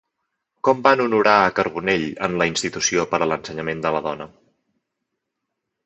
Com van honorar a Carbonell en la Institució per a l'Ensenyament de la Dona?